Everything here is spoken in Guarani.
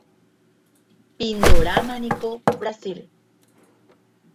Pindorámaniko Brasil.